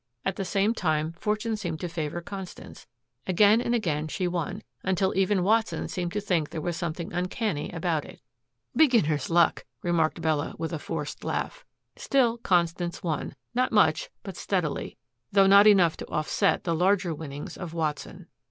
At the same time fortune seemed to favor Constance. Again and again she won, until even Watson seemed to think there was something uncanny about it. "Beginner's luck," remarked Bella with a forced laugh. Still Constance won, not much, but steadily, though not enough to offset the larger winnings of Watson.